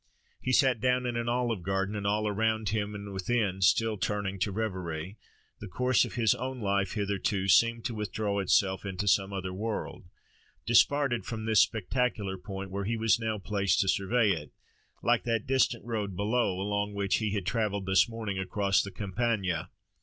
He sat down in an olive garden, and, all around him and within still turning to reverie, the course of his own life hitherto seemed to withdraw itself into some other world, disparted from this spectacular point where he was now placed to survey it, like that distant road below, along which he had travelled this morning across the Campagna.